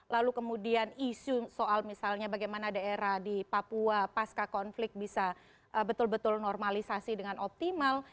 lalu kemudian isu soal misalnya bagaimana daerah di papua pasca konflik bisa betul betul normalisasi dengan optimal